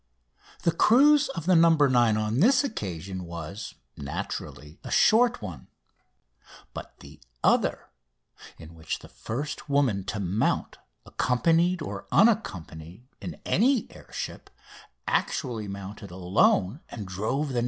The cruise of the "No. 9" on this occasion was, naturally, a short one; but the other, in which the first woman to mount, accompanied or unaccompanied, in any air ship, actually mounted alone and drove the "No.